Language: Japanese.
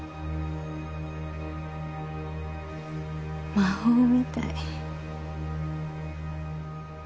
魔法みたい。